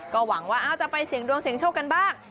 ก็หวังว่าจะไปเสี่ยงดวงเสียงโชคกันบ้าง